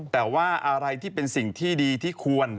แต่ว่าอะไรที่เป็นสิ่งที่ดีที่ควร